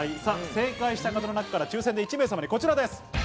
正解した方の中から抽選で１名様にこちらです。